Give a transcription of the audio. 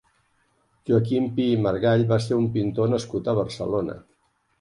Joaquim Pi i Margall va ser un pintor nascut a Barcelona.